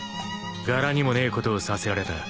柄にもねえことをさせられた。